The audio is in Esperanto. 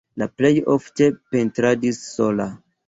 Li plej ofte pentradis sola.